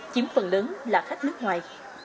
chiếm phần lớn là khách nước ngoài